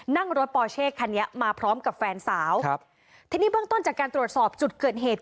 นั่งรถปอเช่คันนี้มาพร้อมกับแฟนสาวครับทีนี้เบื้องต้นจากการตรวจสอบจุดเกิดเหตุ